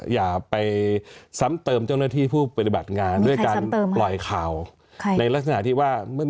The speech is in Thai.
อย่าไปซ้ำเติมเจ้าหน้าที่ผู้ปฏิบัติงานด้วยการปล่อยข่าวในลักษณะที่ว่าเมื่อ